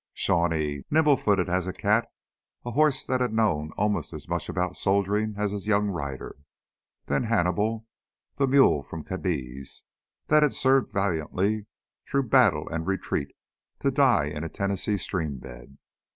Shawnee, nimble footed as a cat, a horse that had known almost as much about soldiering as his young rider. Then Hannibal, the mule from Cadiz, that had served valiantly through battle and retreat, to die in a Tennessee stream bed.